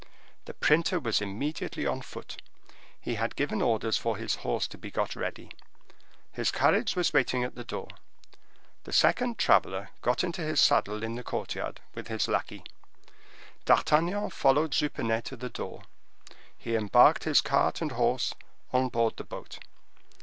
The printer was immediately on foot; he had given orders for his horse to be got ready. His carriage was waiting at the door. The second traveler got into his saddle, in the courtyard, with his lackey. D'Artagnan followed Jupenet to the door; he embarked his cart and horse on board the boat.